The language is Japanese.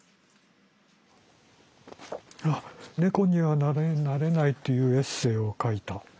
あっ「猫にはなれない」というエッセイを書いた。